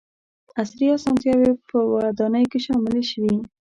• عصري اسانتیاوې په ودانیو کې شاملې شوې.